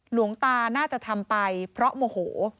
หลวงตาน่าจะทำไปเพราะโมโห